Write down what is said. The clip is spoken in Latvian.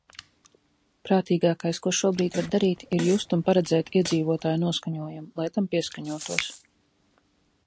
Prātīgākais, ko šobrīd var darīt, ir just un paredzēt iedzīvotāju noskaņojumu, lai tam pieskaņotos.